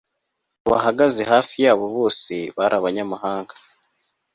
Abantu bahagaze hafi yabo bose bari abanyamahanga